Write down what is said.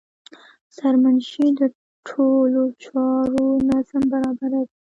سرمنشي د ټولو چارو نظم برابروي.